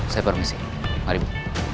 saya permisi mari bu